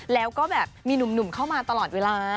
แล้วก็แบบมีหนุ่มเข้ามาตลอดเวลา